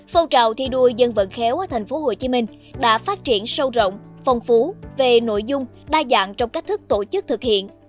phong trào thi đua dân vận khéo ở tp hcm đã phát triển sâu rộng phong phú về nội dung đa dạng trong cách thức tổ chức thực hiện